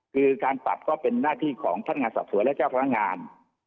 คือการปรับก็เป็นหน้าที่ของท่านงานสรรพสุรและเจ้าพลังงาน